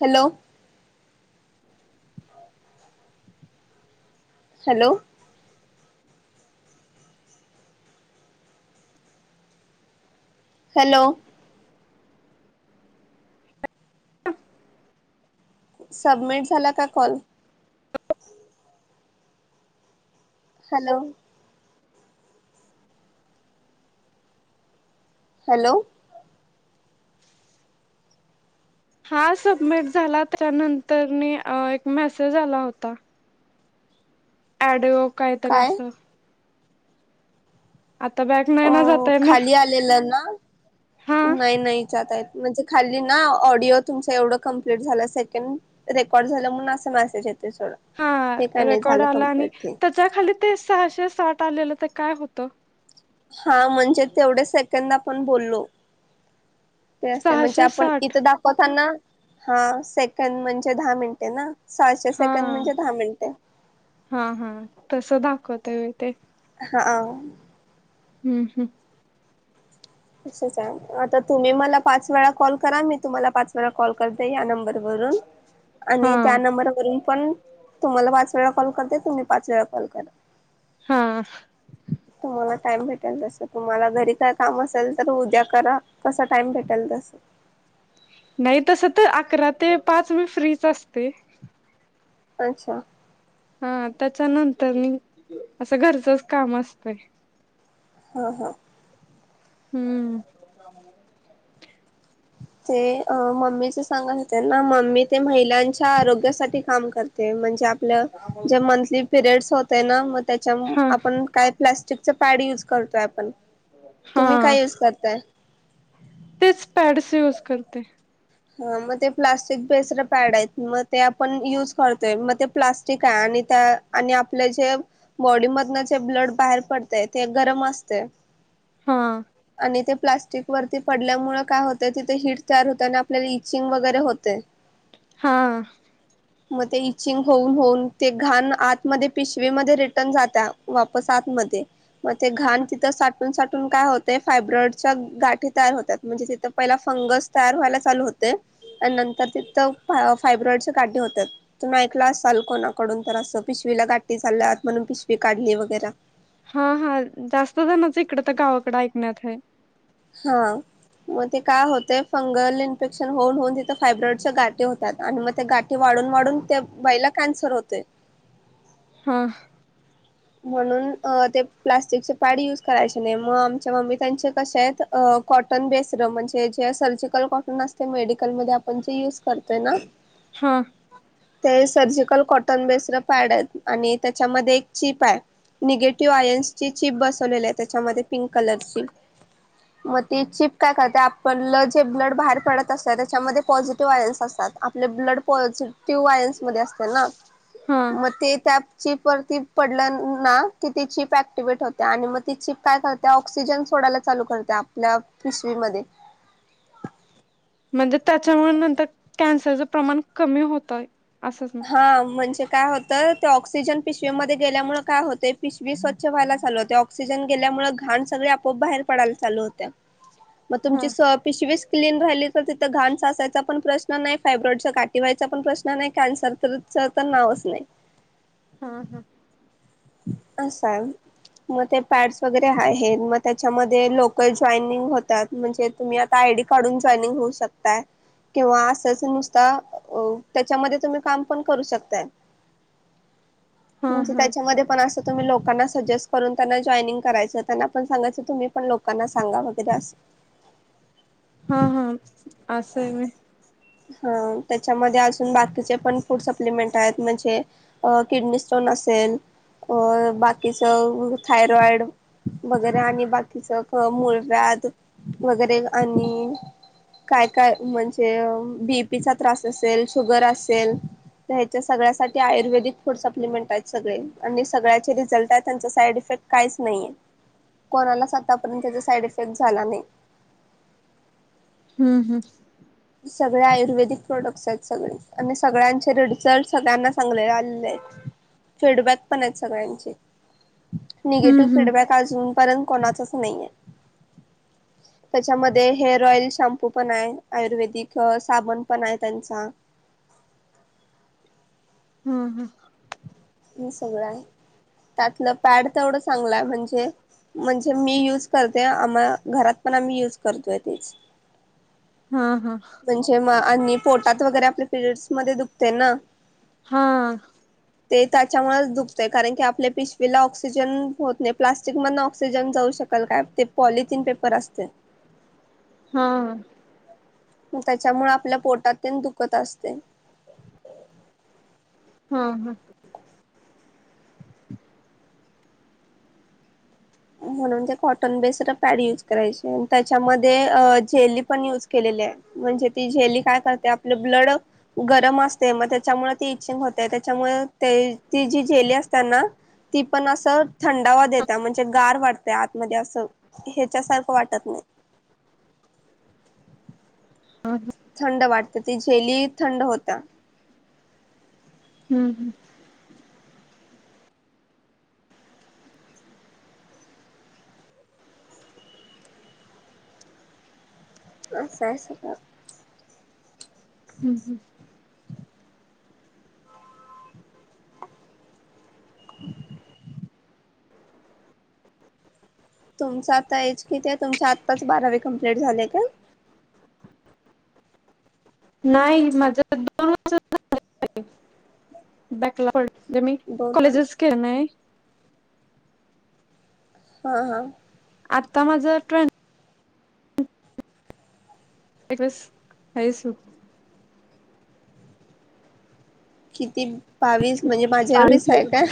Hello. Hello. Hello. Submit झाला का call? Hello. Hello. हा सबमिट झाला त्यानंतर न एक मेसेज आला होता. ऑडिओ कायतरी काय असं. आता बॅक नाही अ ना जाता येणार खाली आलेलं ना हा नाही नाही जता येत. म्हणजे खाली ना ऑडिओ तुमच एवढं कंप्लीट झालं सेकंद, रेकॉर्ड झालं, म्हणून असं मॅसेज येतंय. हा रेकॉर्ड आला आणि ते त्याच्या खाली ते सहाशे साठ आलेलं ते काय होतं? हा म्हणजे तेवढे सेकंद आपण बोललो. ते असतंय म्हणजे सहाशे आपण साठ इथं दाखवताना हा सेकंद म्हणजे दहा मिनिटे ना? सहाशे हा सेकंद म्हणजे दहा मिनिटे हा हा. तसं दाखवतंय वय ते? हा. हुं हू. तसंच हाय. आता तुम्ही मला पाच वेळा कॉल करा मी तुम्हाला पाच वेळा कॉल करते या नंबरवरून हा आणि त्या नंबरवरून पण तुम्हांला वाच पाच वेळा कॉल करते तुम्ही पाच वेळा कॉल करा. हा. तुम्हांला टाइम भेटेल जस तुम्हांला घरी काय काम असेल तर उद्या करा कसा टाइम भेटल तसं नाही तस तर अकरा ते पाच मी फ्रीच असते. अच्छा हा त्याच्यानंतर मी असं घरचच काम असतंय. ह ह हुं [inaudible] ते मम्मीच सांगत होते ना मम्मी ते महिलांच्या आरोग्यासाठी काम करते, म्हणजे आपलं जे मंथली पिरियडस होतय ना मग त्याच्या हा आपण काय प्लस्टिकच पॅड युज करतोय आपण तुम्ही हा काय यूज करताय? तेच पॅडस यूज करते. हा मग ते प्लास्टिक बेस्ड पॅड आहेत मग ते आपण युज करतोय मग ते प्लास्टिक आहे आणि त्या आणि आपले जे बॉडीमधनं जे ब्लड बाहेर पडतयं ते गरम असतय हा आणि ते प्लास्टिक वरती पडल्यामुळं काय होतंय तिथं हीट तयार होत्याआणि आपल्याला इचिगं वगैरे होतय हा मग ते इचिंग होऊन होऊन ते घाण आत मध्ये पिशवीमध्ये रिटर्न जात्या वापस आत मध्ये मग ते घाण तिथं साठ साठून साठून काय होतय फायब्रॉडच्या गाठी तयार होत्यात म्हणजे तिथं पहिला फंगस तयार व्हायला चालू होतेय. आणि नंतर तिथं फायब्रॉइडच्या गाठी होत्यात तुम्ही ऐकला असाल कोणाकडून तर असं पिश पिवी ला गाठी झाल्यात म्हणून पिशवी काढली वगैरे हा हा जास्त जणाच इकडं तर गावाकडं ऐकण्यात आहे. हा मग ते काय होतय फंगल इन्फेक्शन होऊन होऊन तिथं फायब्रॉडच्या गाठी होत्यात आणि मग ते गाठी वाढ वाढून वाढून त्या बाईला कॅन्सर होतय हां म्हणून ते प्लास्टिकचे पॅड युज करायचे नाही म आमच्या मम्मीतेनचे कशे हायत अ कॉटन बेस्ड म्हणजे जे सर्जिकल कॉटन असतयं मेडिकल मध्ये आपण जे युज करतोय ना हा ते सर्जिकल कॉटन बेस्ड पॅड आहेत आणि त्याच्यामध्ये चिप आहे निगेटिव्ह आयन्स ची चिप बसवलेली आहे, त्याच्यामध्ये पिंक कलरची मग ती चीप काय करते आपलं जे ब्लड बाहेर पडत असतय त्याच्यामध्ये पॉझिटिव्ह आयनस् असतात आपले ब्लड पॉझिटिव्ह आयन्स मध्ये असतय ना. हा मग ते त्या चीप वरती पडलं ना की ती चीप ऍक्टिवेट होत्या आणि मग ती चीप काय करत्या ऑक्सिजन सोडायला चालू करत्या आपल्या पिशवीमध्ये म्हणजे त्याच्यामुळे नंतर कॅन्सरचं प्रमाण कमी होतंय हा म्हणजे काय होतं ते ऑक्सिजन पिशवीमध्ये गेल्यामुळे काय होते पिशवी स्वच्छ व्हायला चालू होते ऑक्सिजन गेल्यामुळे घाण सगळे आपोआप बाहेर पडायला चालू होत्या मग हा तुमची स पिशवीच क्लीन राहिली तर तिथं घाण साचायचा पण प्रश्न नाही फायब्रॉईड गाठी व्हायचा पण प्रश्न नाही कॅन्सर तरच तर नावच नाही हा हा असं आहे मग ते पॅडस वगैरे आहेत मग त्याच्यामध्ये लोक जाॅयनिंग होतात म्हणजे तुम्ही आता आयडी काढून जॉयनिंग होऊ शकताय किंवा असंच नुसता त्याच्यामध्ये तुम्ही काम पण करू शकताय [unintelligible] हा, ह. मध्ये पण अस तुम्ही लोकांना सजेस्ट करून त्यांना जॉईनिंग करायचं त्यांना पण सांगायचं तुम्ही पण लोकांना सांगा. म्हणत्याता असं. हा हा आस आहे व्हय. ह त्याच्यामध्ये अजून बाकीचे पण फूड सप्लिमेंट आहेत म्हणजे अ किडनी स्टोन. असेल अ बाकीच थायरॉइड वगैरे आणि बाकीचं अ मुळव्याध वगैरे आणि काय काय म्हणजे बीपीचा त्रास असेल शुगर असेल. ह्याच्या सगळ्यासाठी आयुर्वेदिक फूड सप्लिमेंट आहेत सगळे आणि सगळ्याचे रिझल्ट आहेत त्यांच साइड इफेक्ट काहीच नाही आहे कोणालाच आतापर्यंत त्याचा साईड इफेक्ट झाला नाही. [inaudible] हम्म, हम्म. सगळे आयुर्वेदिक प्रोडक्ट्स आहेत सगळे आणि सगळ्यांचे रिझल्ट सगळ्यांना चांगले आलेले आहेत. फीडबॅक पण आहेत सगळ्यांचे [inaudible] निगेटिव्ह हम्म फीडबॅक अजून पर्यंत कोणाचच नाही आहे त्याच्यामध्ये हेअर ऑइल शॅंम्पू पण आहे. आयुर्वेदिक साबण पण आहे त्यांचा [inaudible] हम्म, हम्. हे सगळं आहे त्यातलं पॅड तेवढं चांगलं आहे म्हणजे म्हणजे मी युज करते आम्हा घरात पण आम्ही युज करतोय तेच. हा. हा म्हणजे म आणि पोटात वगैरे आपल्या पिरियड्स मध्ये दुखते ना. हा. ते त्याच्यामुळेच दुखतय कारण की आपले पिशवीला ऑक्सिजन होत नाही प्लास्टिक मधन ऑक्सिजन जाऊ शकत ल काय? ते पॉलिथीन पेपर असते. हा. त्याच्यामुळे आपल्या पोटात तेन दुखत असते. हा, हा. [inaudible] म्हणून ते कॉटन बेस्ड पॅड युज करायचे त्याच्यामध्ये जेली पण युज केलेली ल्या म्हणजे ती जेली काय करतीया आपलं ब्लड गरम असते मग त्याच्यामुळे ते इचिंग होतय. त्याच्यामुळ ते ती जी जेली असत्याना ती पण अस थंडावा देत्या म्हणजे गार वाटतय आतमध्ये असं ह्याच्यासारखं वाटत नाही. [inaudible] [inaudible] थंड वाटते ती जेली थंड होत्या. हम्म, हम्म. असं असतय काम. [inaudible] हम्म हम्म [inaudible] तुमच आता एज किती आहे तुमची आत्ताच बारावी कंप्लीट झाले काय? नाही माझ दोन वर्ष झाले की बॅकलॉग जे मी दोन वर्ष कॉलेजेस केेल नाही. हा, हा. आत्ता माझं ट्वेल्थ. एकवीस, बावीस होय. किती बावीस म्हणजे माझ्या एवढीच आहे का?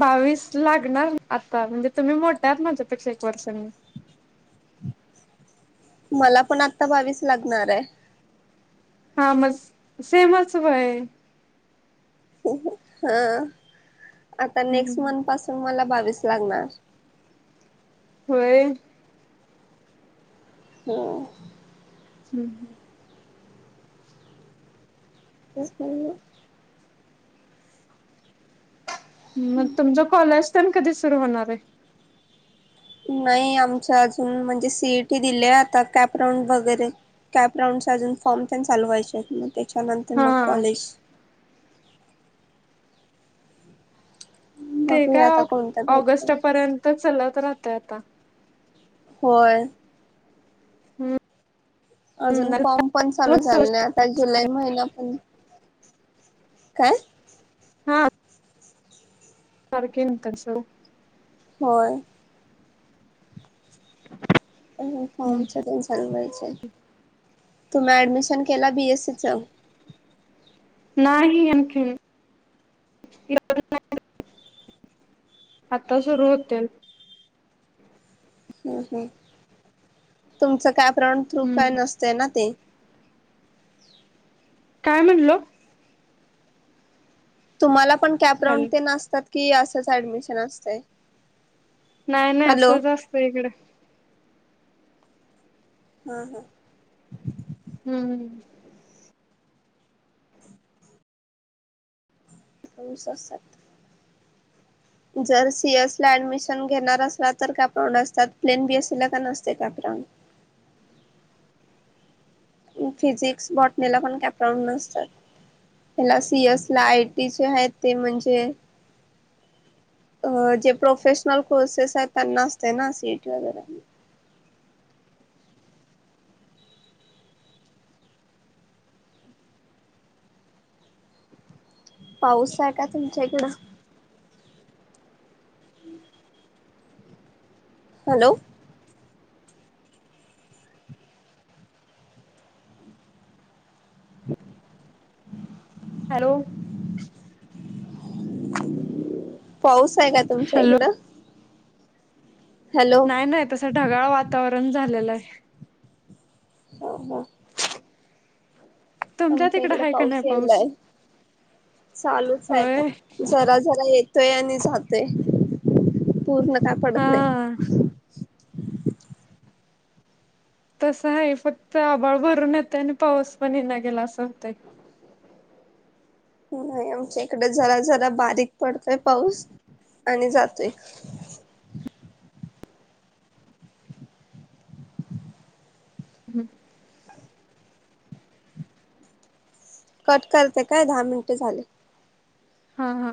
बावीस लागणार आता म्हणजे तुम्ही मोठ्या आहात माझ्यापेक्षा एक वर्षांनी. [inaudible] मला पण आता बावीस लागणार आहे. हा म सेमच वय. [inaudible] हा [inaudible] आता नेक्स्ट मंथ पासून मला बावीस लागणार. [inaudible] होय? हो हम्म हम्म तस मग तुमचं कॉलेज पण कधी सुरु होणार आहे नाही आमच्या अजून म्हणजे सीईटी दिलेय आता कॅपराऊंड वगैरे कॅप राऊंड अजून फॉर्म त्या चालवायचे मग त्याच्यानंतर मग हा कॉलेज ते बघूया आता काय कोणतं भेटतंय ऑगस्टपर्यंत चालत राहतय आता होय अजून फॉर्म पण चालू झाले नाही आता जुलै महिना पण काय हा सारखेन कासं होय फॉर्म चाल्हायचे तुम ऍडमिश केला बीएससी चं नाही आणखीन आता सुरू होते हम् हम तुमचं काय प्रण थ्रू काय हम्म नसतंय ना ते काय म्हणलो तुम्हाला पण कॅप राऊंड हॅलो ते नसतात कि असंच ऍडमिशन असतंय नाही नाही हॅलो असंच असत इकड हा हा हम्म हम क स सात जर सीएस ला ऍडमिशन घेणार असला तर काप नसतात प्लेन बीएससी ला का नसते काप ह फिजिक्स बॉटनेला पण कॅपरान नसतात हला सीएस ला आयटीचे आहेत ते म्हणजे अ जे प्रोफेशनल कोर्सेस आहेत त्यांना असते ना सीएटी वगैरे पाऊस आहे का तुमच्या इकडं हॅलो हॅलो पाऊस आहे का तुमच्या हॅलो इकडं हॅलो नाही हा नाही तस ढगाळ वातावरण झालेलं आहे ह ह तुमच्या आमच्या तिकडं इकड आहे का पाऊस नाही यालाय चालू होय साहेब जरा जरा येत तोय आणि जहातोय पूर्ण का पडत हा. नाही तसं आहे फक्त आबाळ भरून येत आणि पाऊस पण येना गेला अस होतंय नाही आमच्या इकडे जरा जरा बारीक पडतोय पाऊस आणि जातोय हम् कट करते काय दहा मिनटे झाले हा हा